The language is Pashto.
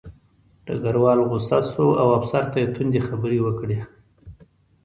ډګروال غوسه شو او افسر ته یې تندې خبرې وکړې